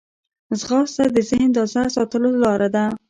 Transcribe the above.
ځغاسته د ذهن تازه ساتلو لاره ده